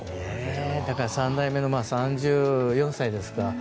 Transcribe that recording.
３代目、３４歳ですか。